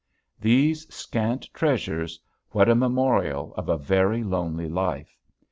These scant treasures, what a memorial of a very lonely life!